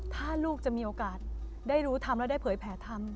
ถ้าลูกจะมีโอกาสได้รู้ธรรมและได้เผยแผลธรรม